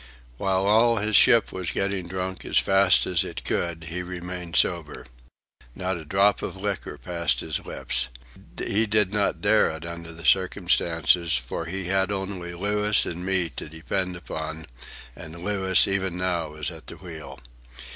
While all his ship was getting drunk as fast as it could, he remained sober. Not a drop of liquor passed his lips. He did not dare it under the circumstances, for he had only Louis and me to depend upon, and Louis was even now at the wheel.